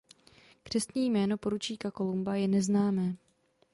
Křestní jméno poručíka Columba je neznámé.